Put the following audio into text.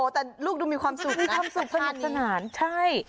แต่ลูกดูมีความสุขนะสนขนาดนี้